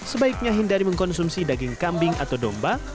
sebaiknya hindari mengkonsumsi daging kambing atau domba